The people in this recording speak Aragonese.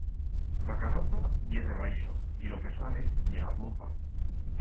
La carrota ye debaixo y lo que sale ye la pompa.